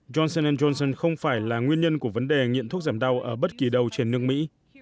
johnson johnson không phải là nguyên nhân của vấn đề nghiện thuốc giảm đau ở bất kỳ đâu trên nước mỹ